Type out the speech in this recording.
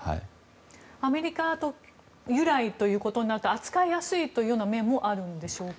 アメリカ由来ということは扱いやすいという面もあるんでしょうか。